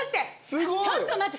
すごい！ちょっと待って。